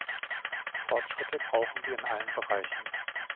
Fortschritte brauchen wir in allen Bereichen.